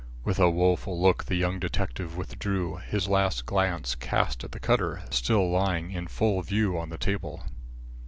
With a woeful look the young detective withdrew, his last glance cast at the cutter still lying in full view on the table.